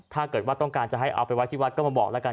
ถ้าเกิดว่าต้องการจะให้เอาไปไว้ที่วัดก็มาบอกแล้วกัน